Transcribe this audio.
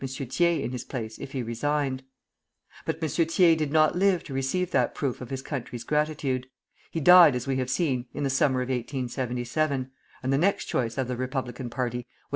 Thiers in his place if he resigned. But M. Thiers did not live to receive that proof of his country's gratitude. He died, as we have seen, in the summer of 1877, and the next choice of the Republican party was M.